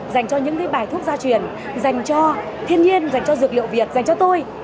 dành cho những bài thuốc gia truyền dành cho thiên nhiên dành cho dược liệu việt dành cho tôi